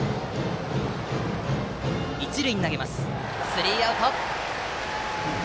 スリーアウト。